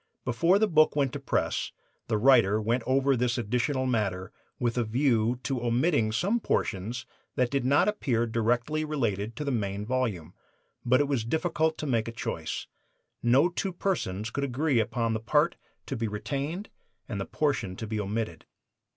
Before the book went to press the writer went over this additional matter with a view to omitting some portions that did not appear directly related to the main volume. But it was difficult to make a choice. No two persons could agree upon the part to be retained and the portion to be omitted.